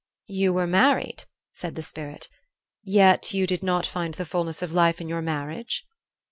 "You were married," said the Spirit, "yet you did not find the fulness of life in your marriage?"